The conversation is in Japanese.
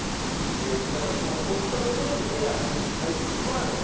なんかそのご祈祷する部屋に入ってこられて。